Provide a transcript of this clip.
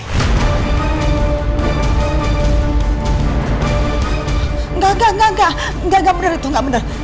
engga engga engga engga engga engga bener itu engga bener